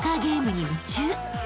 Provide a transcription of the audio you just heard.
［に夢中］